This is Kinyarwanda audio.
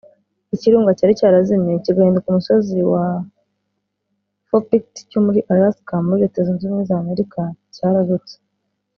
Ikirunga cyari cyarazimye kigahinduka umusozi wa Fourpeaked cyo muri Alaska muri Leta zunze ubumwe za Amerika cyararutse